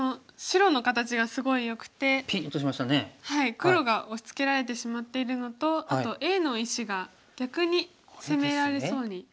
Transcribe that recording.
黒が押しつけられてしまっているのとあとＡの石が逆に攻められそうになってしまいます。